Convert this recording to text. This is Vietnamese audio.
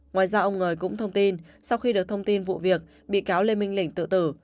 ngoài ra ông ngời cũng thông tin sau khi được thông tin vụ việc bị cáo lê minh lĩnh tự tử